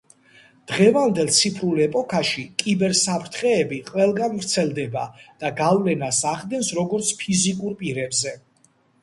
დღევანდელ ციფრულ ეპოქაში კიბერ საფრთხეები ყველგან ვრცელდება და გავლენას ახდენს როგორც ფიზიკურ პირებზე.